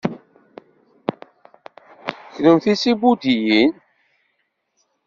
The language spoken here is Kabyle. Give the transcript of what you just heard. Kennemti d tibudiyin?